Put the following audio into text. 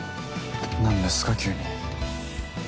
何ですか急に。